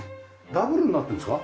ダブルになってるんですか？